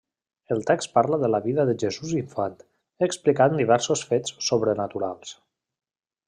El text parla de la vida de Jesús infant, explicant diversos fets sobrenaturals.